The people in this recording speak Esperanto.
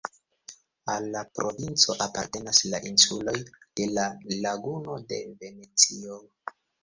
Al la provinco apartenas la insuloj de la Laguno de Venecio.